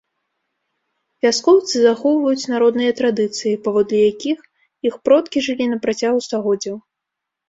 Вяскоўцы захоўваюць народныя традыцыі, паводле якіх іх продкі жылі на працягу стагоддзяў.